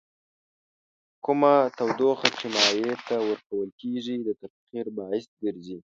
کومه تودوخه چې مایع ته ورکول کیږي د تبخیر باعث ګرځي.